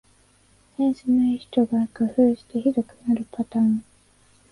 センスない人が工夫してひどくなるパターン